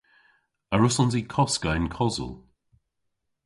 A wrussons i koska yn kosel?